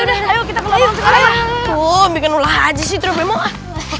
ayo kita ke rumah aja sih